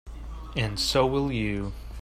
And so will you.